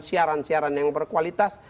siaran siaran yang berkualitas